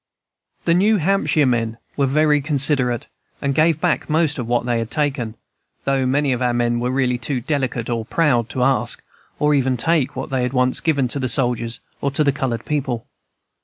"The New Hampshire men were very considerate, and gave back most of what they had taken, though many of our men were really too delicate or proud to ask or even take what they had once given to soldiers or to the colored people.